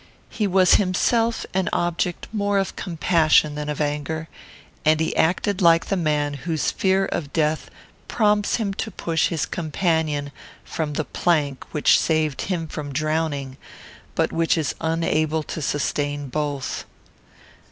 He was himself an object more of compassion than of anger; and he acted like the man whose fear of death prompts him to push his companion from the plank which saved him from drowning, but which is unable to sustain both.